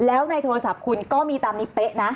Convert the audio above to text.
แล้วในโทรศัพท์คุณก็มีตามนี้เป๊ะนะ